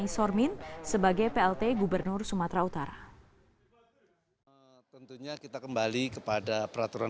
sebagai plt gubernur jawa barat